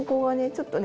ちょっとね